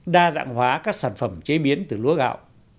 đa dạng hóa các sản phẩm chế biến từ lúa gạo